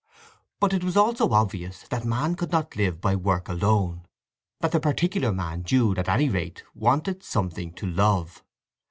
But it was also obvious that man could not live by work alone; that the particular man Jude, at any rate, wanted something to love.